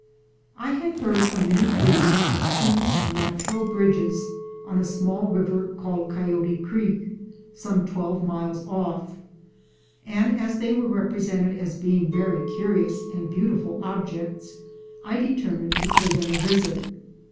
I had heard from many persons of two natural bridges on a small river called Coyote Creek, some twelve miles off; and as they were represented as being very curious and beautiful objects, I determined to pay them a visit.